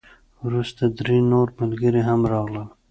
وروسته درې نور ملګري هم راغلل.